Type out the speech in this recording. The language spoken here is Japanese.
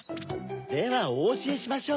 ではおおしえしましょう。